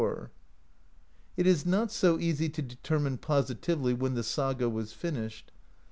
It is not so easy to determine positively when the saga was finished.